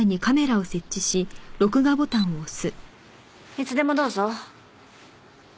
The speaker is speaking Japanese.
いつでもどうぞ。